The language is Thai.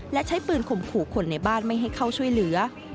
และใช้ปืนข่มขู่คนในบ้านไม่ให้เข้าช่วยเหลือ